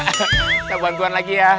kita bantuan lagi ya